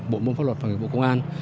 bộ môn pháp luật và bộ công an